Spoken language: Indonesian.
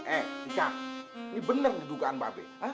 eh tika ini bener nih dugaan mba be